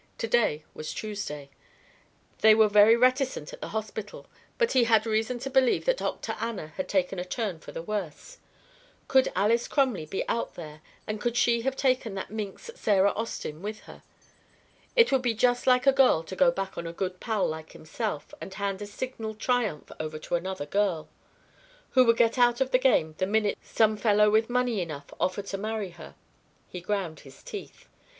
To day was Tuesday. They were very reticent at the hospital, but he had reason to believe that Dr. Anna had taken a turn for the worse. Could Alys Crumley be out there, and could she have taken that minx Sarah Austin with her? It would be just like a girl to go back on a good pal like himself and hand a signal triumph over to another girl, who would get out of the game the minute some fellow with money enough offered to marry her. He ground his teeth.